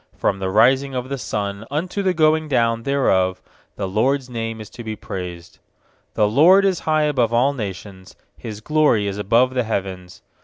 3From the rising of the sun unto the going down thereof The LORD'S name is to be praised. 4The LORD is high above all nations, His glory is above the heavens.